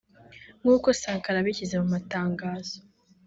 nkuko Sankara yabishyize mu matangazo